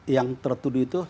yang tertuduh itu